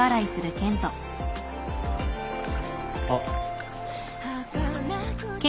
あっ。